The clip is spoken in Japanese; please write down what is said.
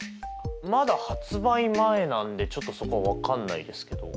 まだ発売前なんでちょっとそこは分かんないですけど。